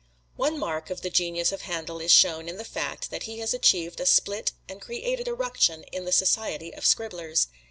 One mark of the genius of Handel is shown in the fact that he has achieved a split and created a ruction in the Society of Scribblers.